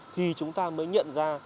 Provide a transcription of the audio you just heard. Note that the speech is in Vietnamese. thì chúng ta mới nhận ra